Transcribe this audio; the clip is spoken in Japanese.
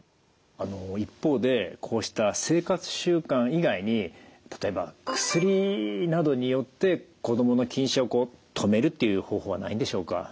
あの一方でこうした生活習慣以外に例えば薬などによって子どもの近視を止めるっていう方法はないんでしょうか。